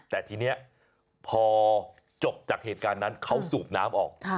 แต่ทีนี้พอจบจากเหตุการณ์นั้นเขาสูบน้ำออก